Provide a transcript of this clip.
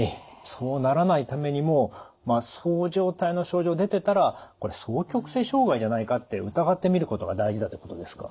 そうならないためにもそう状態の症状出てたらこれ双極性障害じゃないかって疑ってみることが大事だってことですか？